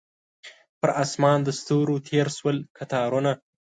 پر اسمان د ستورو تیر شول کتارونه